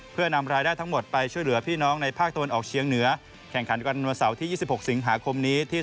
กับออสเตรเลียวันที่๓๑สิงหาคม